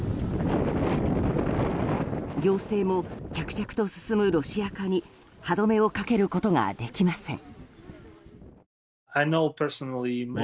行政も着々と進むロシア化に歯止めをかけることができません。